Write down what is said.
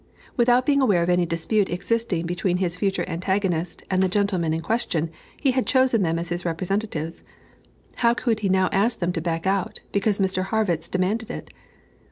Without being aware of any dispute existing between his future antagonist and the gentlemen in question, he had chosen them as his representatives: how could he now ask them to back out, because Mr. Harrwitz demanded it?